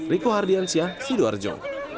riko hardiansyah sidoarjo